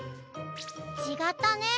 ちがったね。